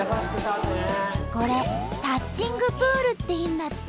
これ「タッチングプール」っていうんだって！